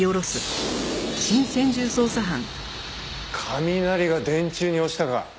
雷が電柱に落ちたか。